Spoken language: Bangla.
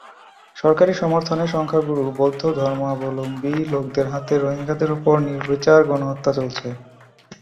সরকারি সমর্থনে সংখ্যাগুরু বৌদ্ধধর্মাবলম্বী লোকদের হাতে রোহিঙ্গাদের ওপর নির্বিচার গণহত্যা চলছে।